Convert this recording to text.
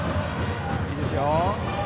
いいですよ。